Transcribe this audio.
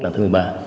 năm thứ một mươi ba